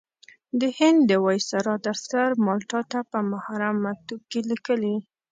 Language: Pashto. د هند د وایسرا دفتر مالټا ته په محرم مکتوب کې لیکلي.